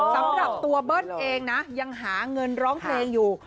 สำหรับตัวเบิ้ลเองนะยังหาเงินร้องเพลงอยู่